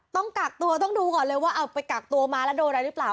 ต้องกักตัวต้องดูก่อนเลยว่าเอาไปกักตัวมาแล้วโดนอะไรหรือเปล่า